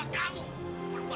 aku tuh terima